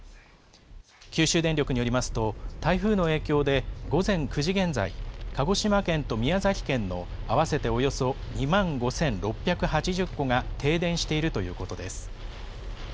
九州電力によりますと、台風の影響で午前９時現在、鹿児島県と宮崎県の合わせておよそ２万５６８０戸が停電しているということです。